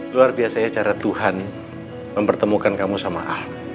luar biasanya cara tuhan mempertemukan kamu sama al